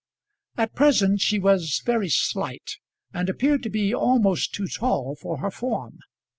At present she was very slight, and appeared to be almost too tall for her form.